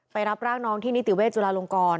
รับร่างน้องที่นิติเวชจุลาลงกร